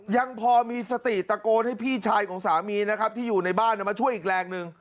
ยังพอมีสติตะโกนให้พี่ชายของสามีนะครับที่อยู่ในบ้านมาช่วยอีกแรงหนึ่ง